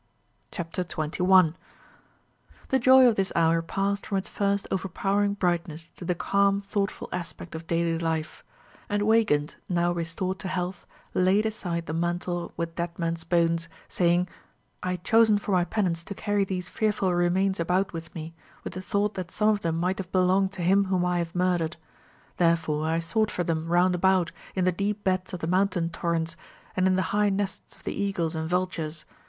CHAPTER 21 The joy of this hour passed from its first overpowering brightness to the calm, thoughtful aspect of daily life; and Weigand, now restored to health, laid aside the mantle with dead men's bones, saying: "I had chosen for my penance to carry these fearful remains about with me, with the thought that some of them might have belonged to him whom I have murdered. Therefore I sought for them round about, in the deep beds of the mountain torrents, and in the high nests of the eagles and vultures.